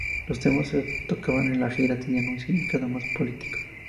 Los temas que se tocaban en la gira tenían un significado más político.